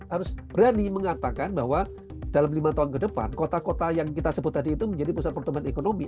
harus berani mengatakan bahwa dalam lima tahun ke depan kota kota yang kita sebut tadi itu menjadi pusat pertumbuhan ekonomi